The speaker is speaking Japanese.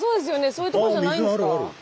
そういうとこじゃないんですか？